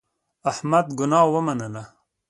احمد ګناه ومنله.